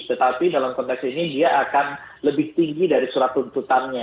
tetapi dalam konteks ini dia akan lebih tinggi dari surat tuntutannya